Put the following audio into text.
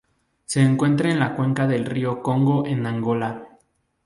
Se encuentra en la cuenca del río Congo en Angola.